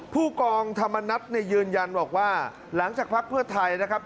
ผู้กองธรรมนัสยืนยันว่าหลังจากพลักษณ์เพื่อไทยนะครับ